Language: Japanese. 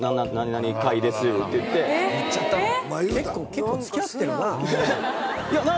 結構付き合ってるなぁ。